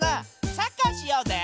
サッカーしようぜ！